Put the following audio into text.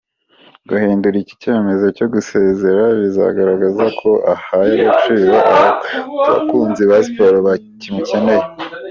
Guhindura icyi cyemezo cyo gusezera bizagaragaza ko ahaye agaciro abakunzi ba Siporo bakimukenye.